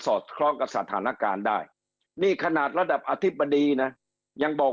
อดคล้องกับสถานการณ์ได้นี่ขนาดระดับอธิบดีนะยังบอก